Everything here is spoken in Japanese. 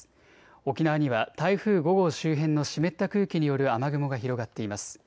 沖縄には台風５号周辺の湿った空気による雨雲が広がっています。